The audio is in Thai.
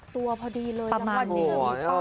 ตัวพอดีเลยประมาณนี้